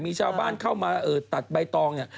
มีชาวบ้านเข้ามาตัดใบตองเนี่ย